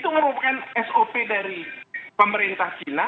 yang kemudian kita tidak perlu tanggapi